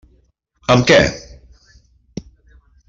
Amb què?